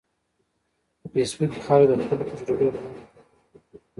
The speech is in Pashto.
په فېسبوک کې خلک د خپلو تجربو بیان کوي